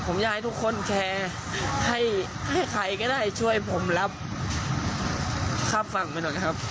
ผมอยากให้ทุกคนแชร์ให้ให้ใครก็ได้ช่วยผมรับข้ามฝั่งไปหน่อยครับ